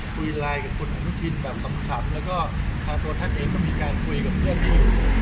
คุยไลน์กับคุณอนุทินแบบขำแล้วก็ทางตัวท่านเองก็มีการคุยกับเพื่อนอยู่